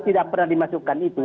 tidak pernah dimasukkan itu